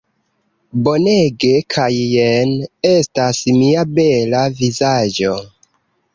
Bonege kaj jen estas mia bela vizaĝo